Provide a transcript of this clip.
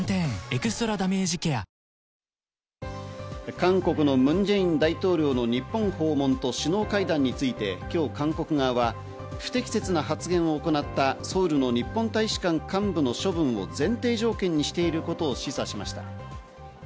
韓国のムン・ジェイン大統領の日本訪問と首脳会談について今日、韓国側は不適切な発言を行ったソウルの日本大使館幹部の処分を前提条件にしていることを示唆しました。